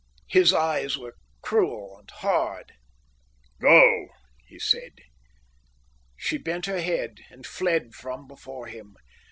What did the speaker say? His eyes were hard and cruel. "Go," he said. She bent her head and fled from before him.